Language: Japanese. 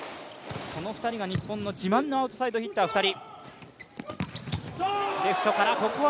その２人が日本の自慢のアウトサイドヒッター２人。